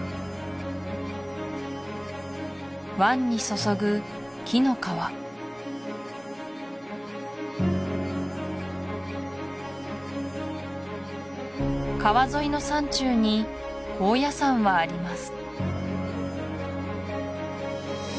湾に注ぐ紀の川川沿いの山中に高野山はあります